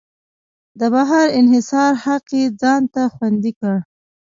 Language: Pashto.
د بهر انحصار حق یې ځان ته خوندي کړ.